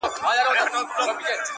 د رستمانو په نکلونو به ملنډي وهي-